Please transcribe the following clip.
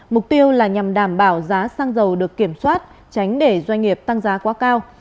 mục tiêu là nhằm đảm bảo giá xăng dầu được kiểm soát tránh để doanh nghiệp tăng giá quá cao